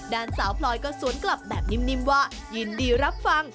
ด้านสาวพลอยก็สวนกลับแบบนิ่มว่ายินดีรับฟัง